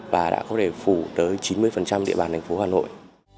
và đã có thể phủ tới chín mươi địa bàn thành phố hà nội